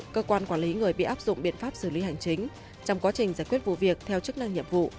cơ quan quản lý người bị áp dụng biện pháp xử lý hành chính trong quá trình giải quyết vụ việc theo chức năng nhiệm vụ